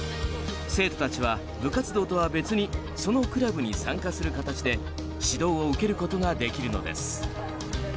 生徒たちは部活動とは別にそのクラブに参加する形で指導を受けることができるのです。